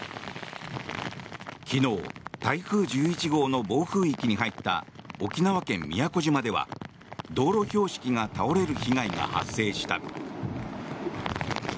昨日台風１１号の暴風域に入った沖縄県・宮古島では道路標識が倒れる被害が発生した。